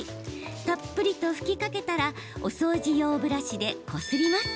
たっぷりと拭きかけたらお掃除用ブラシで、こすります。